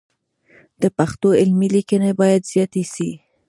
د پښتو علمي لیکنې باید زیاتې سي.